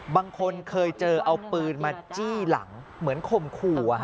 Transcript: บางคนเคยเจอเอาปืนมาจี้หลังเหมือนข่มขู่